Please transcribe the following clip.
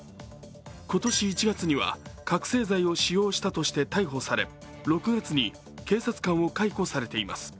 今年１月には覚醒剤を使用したとして逮捕され、６月に警察官を解雇されています。